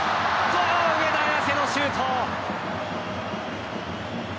上田綺世のシュート。